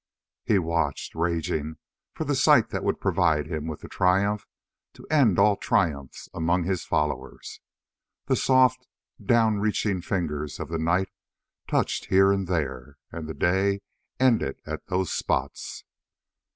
He watched, raging, for the sight that would provide him with the triumph to end all triumphs among his followers. The soft, down reaching fingers of the night touched here and there and the day ended at those spots.